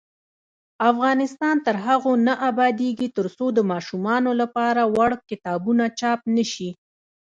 افغانستان تر هغو نه ابادیږي، ترڅو د ماشومانو لپاره وړ کتابونه چاپ نشي.